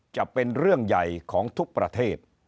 จะเป็นเรื่องใหญ่ของทุกประเทศ